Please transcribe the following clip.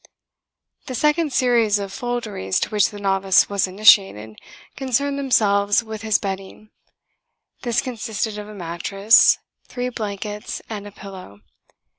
The second series of folderies to which the novice was initiated concerned themselves with his bedding. This consisted of a mattress, three blankets and a pillow.